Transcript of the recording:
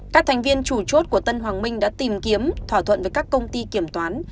các thành viên chủ chốt của tân hoàng minh đã tìm kiếm thỏa thuận với các công ty kiểm toán